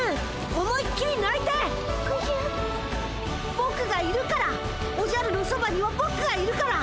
ぼくがいるからおじゃるのそばにはぼくがいるから！